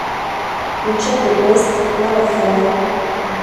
Mico The Best n’abafana be